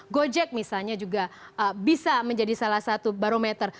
gojek misalnya juga bisa menjadi salah satu barometer